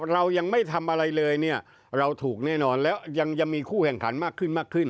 เรายังไม่ทำอะไรเลยเนี่ยเราถูกแน่นอนแล้วยังมีคู่แข่งขันมากขึ้นมากขึ้น